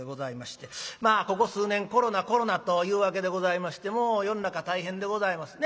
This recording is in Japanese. まあここ数年コロナコロナというわけでございましてもう世の中大変でございますね。